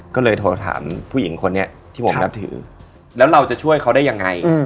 ก็เลยโทรถามผู้หญิงคนนี้ที่ผมนับถือแล้วเราจะช่วยเขาได้ยังไง